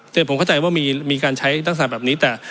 เดี๋ยวผมเข้าใจว่ามีมีการใช้ตั้งสรรค์แบบนี้แต่